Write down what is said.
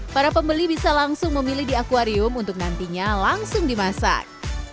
para pembeli bisa langsung memilih di akwarium untuk nantinya langsung dimasak